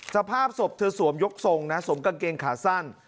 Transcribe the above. สภาพศพเธอสวมยกทรงนะสวมกางเกงขาสั้น